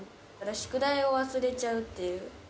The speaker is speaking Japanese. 宿題を忘れちゃうっていう。